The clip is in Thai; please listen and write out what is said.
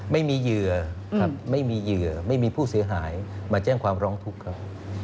ไม่มีเหยื่อครับไม่มีผู้เสียหายมาแจ้งความร้องทุกข์ครับ